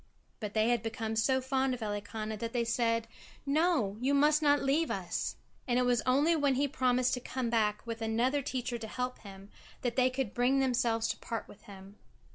But they had become so fond of Elikana that they said: "No, you must not leave us," and it was only when he promised to come back with another teacher to help him, that they could bring themselves to part with him.